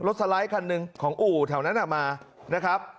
สไลด์คันหนึ่งของอู่แถวนั้นมานะครับ